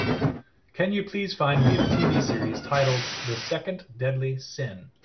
Can you please find me the TV series titled The Second Deadly Sin?